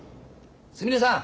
すみれさん！